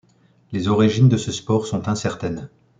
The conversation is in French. Les origines de ce sport sont incertaines.